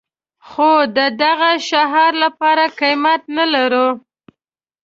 خو د دغه شعار لپاره قيمت نه لرو.